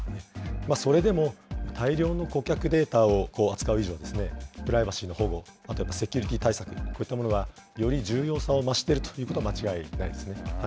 それでも、大量の顧客データを扱う以上ですね、プライバシーの保護、あとセキュリティー対策、こういったものがより重要性を増しているということは間違いないですね。